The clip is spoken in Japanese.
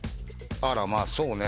「あらまあそうね」